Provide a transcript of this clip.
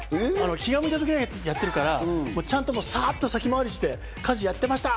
気が向いたときだけやってるからちゃんと、さぁっと先回りして家事やってました！